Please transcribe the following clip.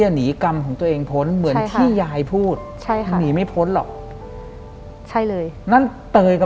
หลังจากนั้นเราไม่ได้คุยกันนะคะเดินเข้าบ้านอืม